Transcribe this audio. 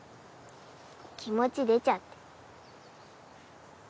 気持ち出ちゃってる。